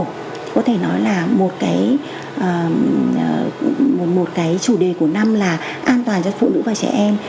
có thể nói là một cái chủ đề của năm là an toàn cho phụ nữ và trẻ em